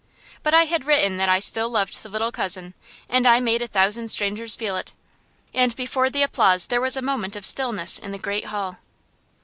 But I had written that I still loved the little cousin, and I made a thousand strangers feel it. And before the applause there was a moment of stillness in the great hall.